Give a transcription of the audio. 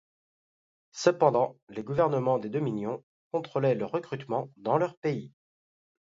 Cependant les gouvernements des dominions contrôlaient le recrutement dans leurs pays.